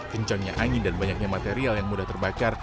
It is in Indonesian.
kencangnya angin dan banyaknya material yang mudah terbakar